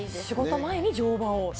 仕事前に乗馬を？